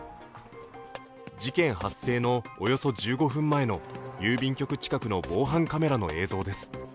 事件発生のおよそ１５分前の郵便局近くの防犯カメラの映像です。